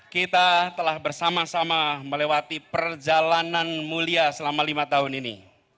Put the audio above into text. kita telah bersama sama melewati perjalanan mulia selama lima tahun ini